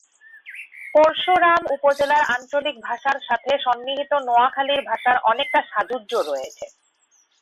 পরশুরাম উপজেলার আঞ্চলিক ভাষার সাথে সন্নিহিত নোয়াখালীর ভাষার অনেকটা সাযুজ্য রয়েছে।